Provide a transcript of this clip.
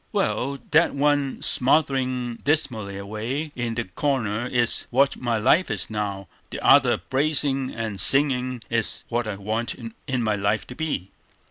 Well that one smouldering dismally away in the corner is what my life is now; the other blazing and singing is what I want my life to be."